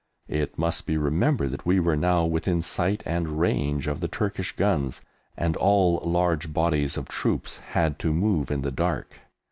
It must be remembered that we were now within sight and range of the Turkish guns, and all large bodies of troops had to move in the dark.